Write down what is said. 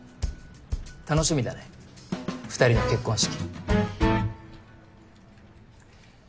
楽しみだね２人の結婚式。